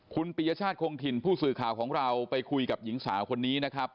คุณปียชาติคงถิ่นผู้สื่อข่าวของเราไปคุยกับหญิงสาวคนนี้นะครับ